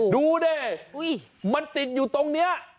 ดูดิมันติดอยู่ตรงนี้